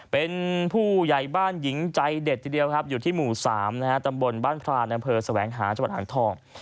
เป็นผู้ใหญ่บ้านหญิงใจเด็ดทีเดียวครับอยู่ที่หมู่๓ตำบลบ้านพรานอำเภอแสวงหาจังหวัดอ่างทอง